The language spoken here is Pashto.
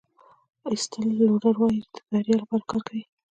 ایسټل لوډر وایي د بریا لپاره کار کوئ.